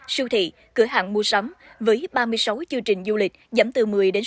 siêu thị cửa hàng mua sắm với ba mươi sáu chương trình du lịch giảm từ một mươi sáu mươi